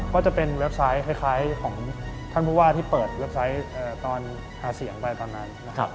ก็จะเป็นเว็บไซต์คล้ายของท่านผู้ว่าที่เปิดเว็บไซต์ตอนหาเสียงไปตอนนั้นนะครับ